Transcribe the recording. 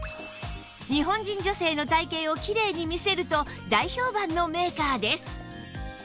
日本人女性の体形をきれいに見せると大評判のメーカーです